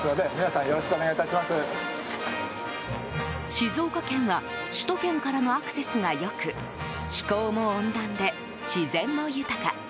静岡県は首都圏からのアクセスが良く気候も温暖で自然も豊か。